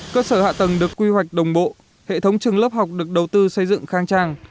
cơ sở hạ tầng được quy hoạch đồng bộ hệ thống trường lớp học được đầu tư xây dựng khang trang